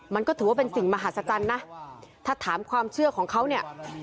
มันก็ถือว่าเป็นสิ่งมหัศจรรย์นะถ้าถามความเชื่อของเขาเนี่ย